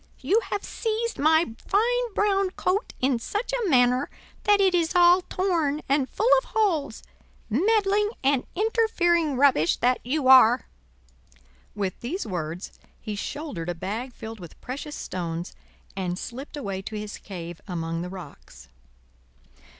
You have seized my fine brown coat in such a manner that it is all torn and full of holes, meddling and interfering rubbish that you are!" With these words he shouldered a bag filled with precious stones, and slipped away to his cave among the rocks.